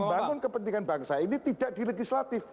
membangun kepentingan bangsa ini tidak di legislatif